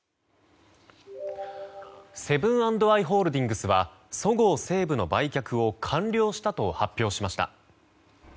セブン＆アイ・ホールディングスはそごう・西武の売却を完了したと発表しました。